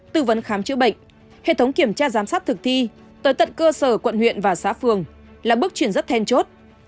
tư vấn khám chữa bệnh hệ thống kiểm tra giám sát thực thi tới tận cơ sở quận huyện và xã phường là bước chuyển rất then chốt